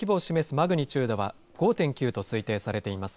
マグニチュードは５．９と推定されています。